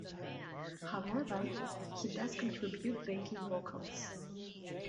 However, he does contribute backing vocals.